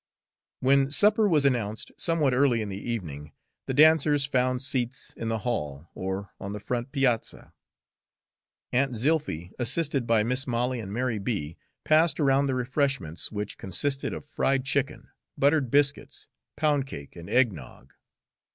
When supper was announced, somewhat early in the evening, the dancers found seats in the hall or on the front piazza. Aunt Zilphy, assisted by Mis' Molly and Mary B., passed around the refreshments, which consisted of fried chicken, buttered biscuits, pound cake, and eggnog.